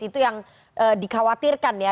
itu yang dikhawatirkan ya